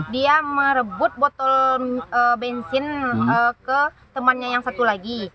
dia merebut botol bensin ke temannya yang satu lagi